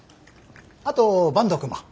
あと坂東くんも。